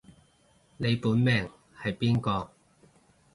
你本命係邊個